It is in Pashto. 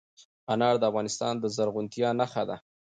انار د افغانستان د زرغونتیا نښه ده.